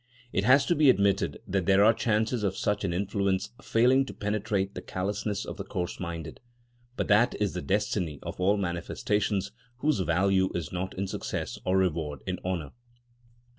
It has to be admitted that there are chances of such an influence failing to penetrate the callousness of the coarse minded; but that is the destiny of all manifestations whose value is not in success or reward in honour.